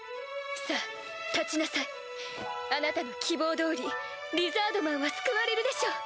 さぁ立ちなさいあなたの希望通りリザードマンは救われるでしょう！